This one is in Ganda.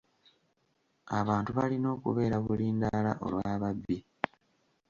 Abantu balina okubeera bulindaala olw'ababbi.